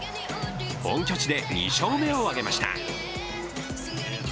本拠地で２勝目を挙げました。